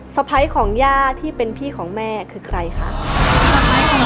สะพ้ายของย่าที่เป็นพี่ของแม่คือใครคะ